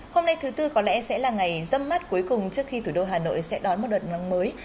hôm nay thứ tư có lẽ sẽ là ngày râm mắt cuối cùng trước khi thủ đô hà nội sẽ đón một đợt nắng mới